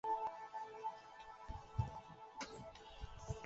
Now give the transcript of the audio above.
韦洛德罗姆球场是一座设在法国城市马赛的体育场。